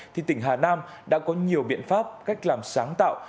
thì tỉnh hà nam đã có nhiều biện pháp cách làm sáng tạo